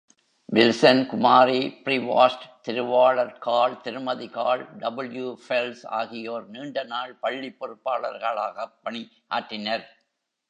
Wilson, குமாரி ப்ரிவாஸ்ட், திருவாளர் கார்ல், திருமதி கார்ல், டபிள்யூ ஃபெல்ஸ் ஆகியோர், நீண்ட நாள் பள்ளிப்பொறுப்பாளர்களாகப் பணியாற்றினர்.